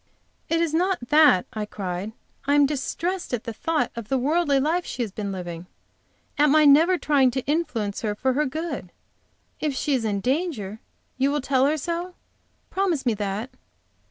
"It is not that," I cried. "I am distressed at the thought of the worldly life she has been living at my never trying to influence her for her good. If she is in danger, you will tell her so? Promise me that."